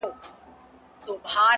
زما د سرڅښتنه اوس خپه سم که خوشحاله سم؛